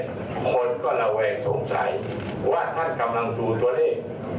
คนก็ระแวงสงสัยว่าท่านกำลังดูตัวเลข